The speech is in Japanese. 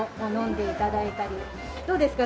どうですか？